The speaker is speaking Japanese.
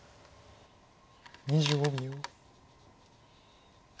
２５秒。